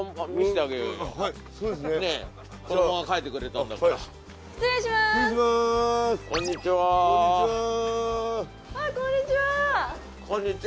ああこんにちは。